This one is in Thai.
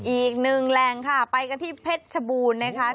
อีกหนึ่งแหล่งค่ะไปกันที่เพชรชบูรณ์นะคะ